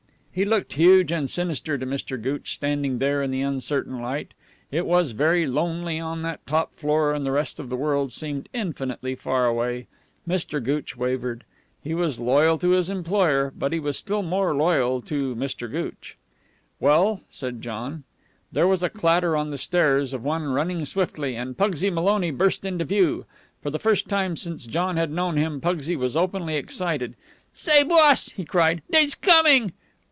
He looked huge and sinister to Mr. Gooch, standing there in the uncertain light; it was very lonely on that top floor and the rest of the world seemed infinitely far away. Mr. Gooch wavered. He was loyal to his employer, but he was still more loyal to Mr. Gooch. "Well?" said John. There was a clatter on the stairs of one running swiftly, and Pugsy Maloney burst into view. For the first time since John had known him, Pugsy was openly excited. "Say, boss," he cried, "dey's coming!"